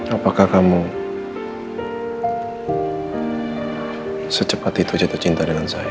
apakah kamu secepat itu jatuh cinta dengan saya